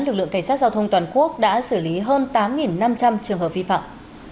lực lượng cảnh sát giao thông toàn quốc đã xử lý hơn tám năm trăm linh trường hợp vi phạm